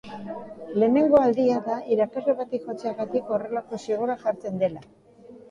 Lehenengo aldia da irakasle bati jotzeagatik horrelako zigorra jartzen dela.